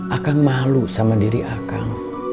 akan malu sama diri akang